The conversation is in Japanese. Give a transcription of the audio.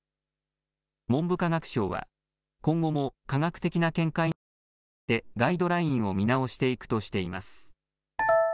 文部科学省は今後も科学的な見解などに応じてガイドラインを見直していくとしています。